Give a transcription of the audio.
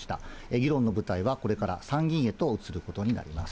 議論の舞台はこれから参議院へと移ることになります。